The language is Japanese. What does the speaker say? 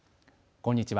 こんにちは。